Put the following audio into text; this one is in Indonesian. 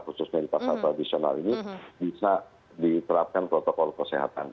khususnya di pasar tradisional ini bisa diterapkan protokol kesehatan